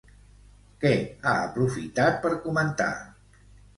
Què ha aprofitat per comentar?